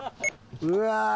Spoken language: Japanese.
うわ！